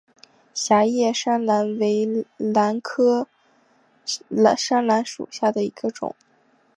狭叶山兰为兰科山兰属下的一个种。